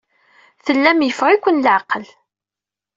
Tellam yeffeɣ-iken leɛqel.